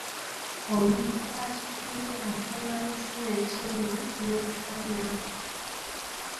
Omuntu akifunye akomayo sinakindi n’okufa n’afa!